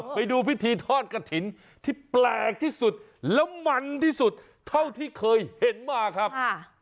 ไปดูพิธีทอดกระถิ่นที่แปลกที่สุดแล้วมันที่สุดเท่าที่เคยเห็นมาครับ